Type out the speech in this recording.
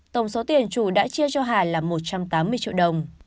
tổng số tiền chủ đã chia cho hà là một trăm tám mươi triệu đồng